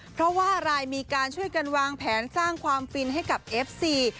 เพราะว่าอะไรมีการช่วยกันวางแผนสร้างความฟินให้กับเอฟซี